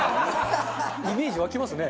イメージ湧きますね。